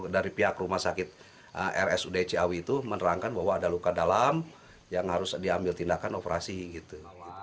dari pihak rumah sakit rsud ciawi itu menerangkan bahwa ada luka dalam yang harus diambil tindakan operasi gitu